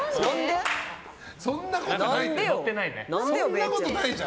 そんなことないじゃん。